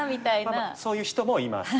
まあまあそういう人もいます。